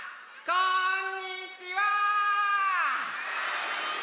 こんにちは！